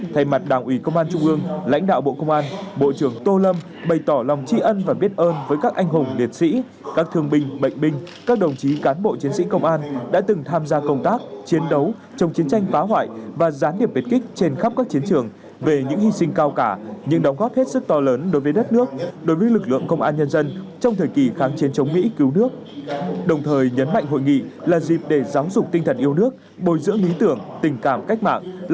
thay mặt đảng ủy công an trung ương lãnh đạo bộ công an bộ trưởng tô lâm bày tỏ lòng tri ân và biết ơn với các anh hùng liệt sĩ các thương binh bệnh binh các đồng chí cán bộ chiến sĩ công an đã từng tham gia công tác chiến đấu trong chiến tranh phá hoại và gián điệp biệt kích trên khắp các chiến trường về những hy sinh cao cả nhưng đóng góp hết sức to lớn đối với đất nước đối với lực lượng công an nhân dân trong thời kỳ kháng chiến chống mỹ cứu nước đồng thời nhấn mạnh hội nghị là dịp để giáo dục tinh thần yêu nước bồi giữa lý tưởng tình cảm